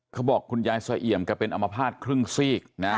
เขาบอกคุณยายสวยเหยียมก็เป็นอมภาษณ์ครึ่งสีก